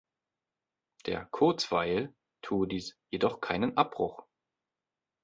Der „Kurzweil“ tue das „jedoch keinen Abbruch“.